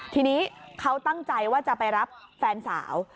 ทีนี้เขาตั้งใจว่าจะไปรับแฟนสาว